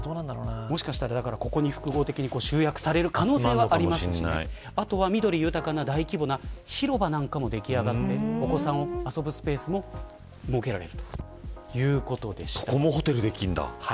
もしかしたらここに複合的に集約される可能性もありますしあとは緑豊かな大規模な広場も出来上がってお子さんが遊ぶスペースも設けられる。